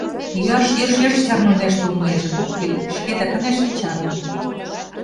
Йӱаш йӧршеш чарнынешт улнеже — ок лий, шкетак ынешт чарне.